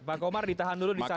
pak komar ditahan dulu disana